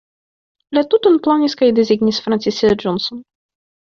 La tuton planis kaj desegnis Francis Johnson.